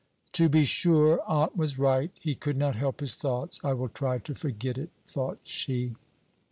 "To be sure! Aunt was right; he could not help his thoughts. I will try to forget it," thought she.